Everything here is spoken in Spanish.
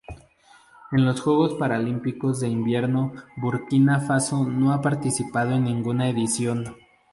En los Juegos Paralímpicos de Invierno Burkina Faso no ha participado en ninguna edición.